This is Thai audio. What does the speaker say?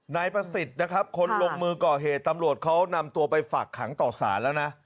นายประสิทธิ์นะครับคนลงมือก่อเหตุตำรวจเขานำตัวไปฝากขังต่อสารแล้วนะ